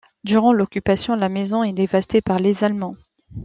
Durant l'Occupation, la maison est dévastée par les Allemands.